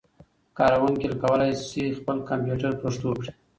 کاروونکي کولای شي خپل کمپيوټر پښتو کړي.